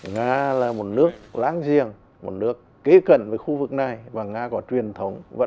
nga là một nước láng giềng một nước kế cận với khu vực này và nga có truyền thống